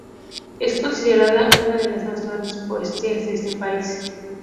Es considerada una de las más grandes poetisas de ese país.